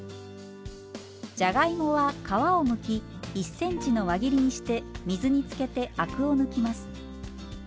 じゃがいもは皮をむき１ｃｍの輪切りにして水につけてアクを抜きます。